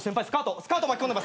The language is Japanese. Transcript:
スカート巻き込んでます。